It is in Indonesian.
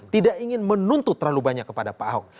tidak ingin menuntut terlalu banyak kepada pak ahok